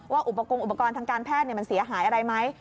อุปกรณ์อุปกรณ์ทางการแพทย์มันเสียหายอะไรไหม